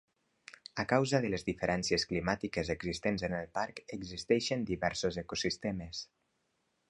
A causa de les diferències climàtiques existents en el parc existixen diversos ecosistemes.